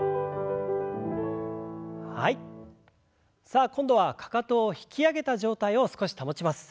さあ今度はかかとを引き上げた状態を少し保ちます。